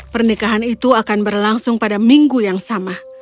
pernikahan itu akan berlangsung pada minggu yang sama